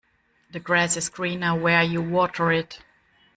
The grass is greener where you water it.